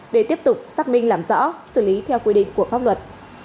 để tiếp tục xác minh làm rõ xử lý theo quy định của pháp luật